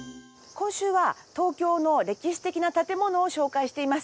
今週は東京の歴史的な建物を紹介しています。